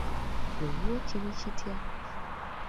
Ggwe ewuwo kiri kitya ?